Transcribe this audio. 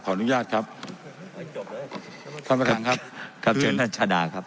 อนุญาตครับท่านประธานครับครับเชิญท่านชาดาครับ